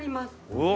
うわ。